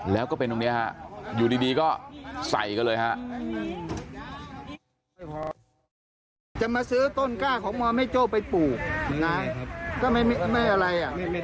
แล้วก็เป็นตรงนี้ฮะอยู่ดีก็ใส่กันเลยฮะ